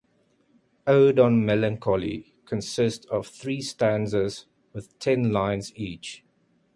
"Ode on Melancholy" consists of three stanzas with ten lines each.